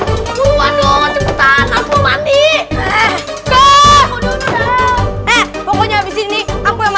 gimana nggak jadi kan bersinnya